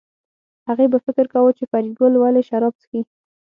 هغې به فکر کاوه چې فریدګل ولې شراب څښي